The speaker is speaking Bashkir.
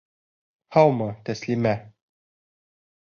Һаумы, Тәслимә!